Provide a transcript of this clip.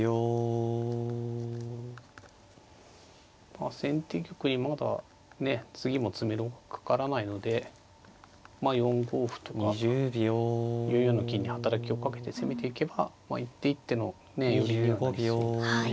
まあ先手玉にまだ次も詰めろかからないので４五歩とか４四の金に働きをかけて攻めていけば一手一手の寄りにはなりそうですね。